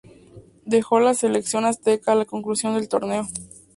Dejó la selección azteca a la conclusión del torneo.